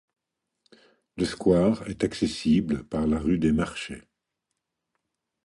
Le square est accessible par la rue des Marchais.